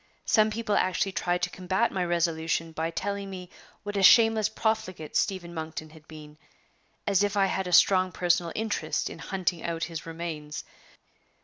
Some people actually tried to combat my resolution by telling me what a shameless profligate Stephen Monkton had been as if I had a strong personal interest in hunting out his remains!